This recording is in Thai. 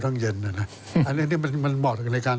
เนี่ย